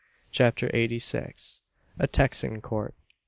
CHAPTER EIGHTY SIX. A TEXAN COURT.